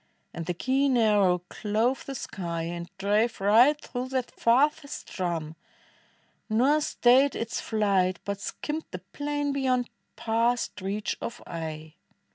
And the keen arrow clove the sky, and drave Right through that farthest drum, nor stayed its flight, But skimmed the plain beyond, past reach of eye.